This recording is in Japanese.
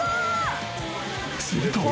すると。